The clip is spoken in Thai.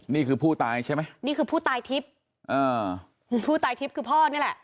นี่คือผู้ตายใช่ไหมนี่คือผู้ตายทิพย์อ่าผู้ตายทิพย์คือพ่อนี่แหละ